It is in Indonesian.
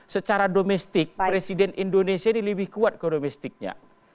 secara domestik presiden indonesia ini lebih kuat ke domestiknya